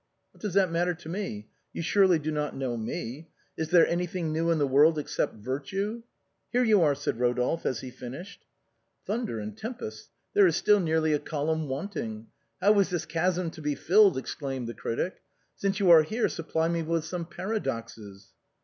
"What does that matter to me? You surely do not know me. Is there anything new in the world except virtue ?"" Here you are," said Kodolphe, as he finished. " Thunder and tempests, there is still nearly a column wanting. How is this chasm to be filled ?" exclaimed the critic. " Since you are here, supply me with some para doxes."